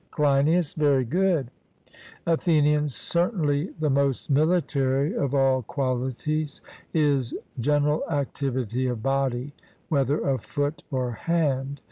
CLEINIAS: Very good. ATHENIAN: Certainly the most military of all qualities is general activity of body, whether of foot or hand.